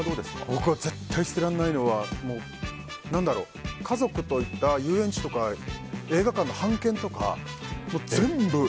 僕は絶対捨てられないのは家族と行った遊園地とか映画館の半券とか全部。